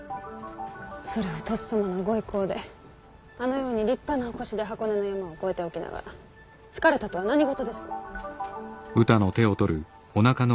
それをとっさまの御威光であのように立派なお輿で箱根の山を越えておきながら疲れたとは何事です。